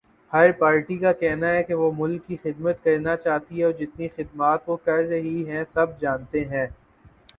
ہر party کا کہنا ہے کے وہ ملک کی خدمت کرنا چاہتی ہے اور جتنی خدمات وہ کرر ہی ہیں سب جانتے ہیں